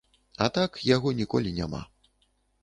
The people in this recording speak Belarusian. А так яго ніколі няма.